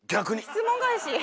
質問返し！